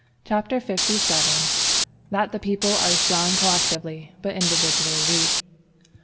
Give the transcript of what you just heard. CHAPTER LVII.—That the People are strong collectively, but individually weak.